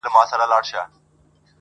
o د کبر کاسه نسکوره ده!